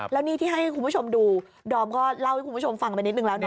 แล้วนี่ที่ให้คุณผู้ชมดูดอมก็เล่าให้คุณผู้ชมฟังไปนิดนึงแล้วนะ